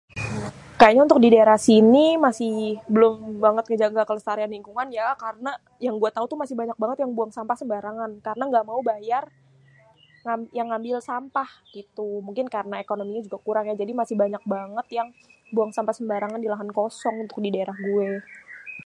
Kayanya untuk didaerah sini masi belum banget ngejaga pelestarian lingkungan ya karna yang gue tau tuh masi banyak banget yang buang sampah sembarangan karena gamau bayar yang ngambil sampah gitu, mungkin karena ekonominya juga kurang jadi masi banyak banget yang buang sampah sembarangan di lahan kosong untuk di daerah gué.